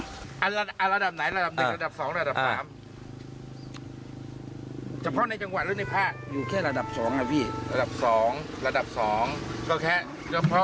อันระดับไหนระดับหนึ่งระดับสองระดับสาม